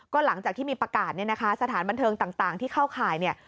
ก็หลังจากที่มีประกาศเนี่ยนะคะสถานบันเทิงต่างที่เข้าข่ายเนี่ย